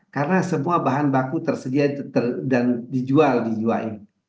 karena semua bahan baku tersedia dan dijual di jiwa ini